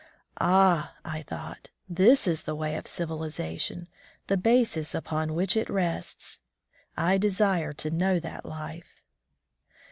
Ah! I thought, this is the way of civilization, the basis upon which it rests! I desired to know that life.